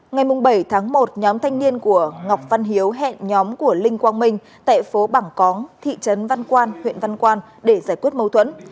ngày bảy tháng một nhóm thanh niên của ngọc văn hiếu hẹn nhóm của linh quang minh tại phố bảng cóng thị trấn văn quan huyện văn quan để giải quyết mâu thuẫn